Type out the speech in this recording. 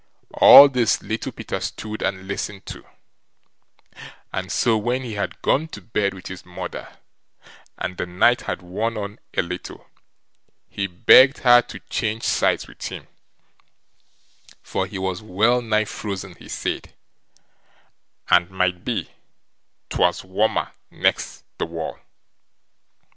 All this Little Peter stood and listened to; and so, when he had gone to bed with his mother, and the night had worn on a little, he begged her to change sides with him, for he was well nigh frozen, he said, and might be 'twas warmer next the wall.